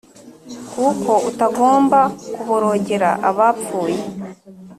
Kuko utagomba kuborogera abapfuye